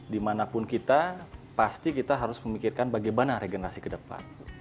dimanapun kita pasti kita harus memikirkan bagaimana regenerasi ke depan